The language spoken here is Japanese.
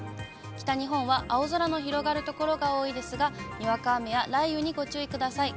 北日本は青空の広がる所が多いですが、にわか雨や雷雨にご注意ください。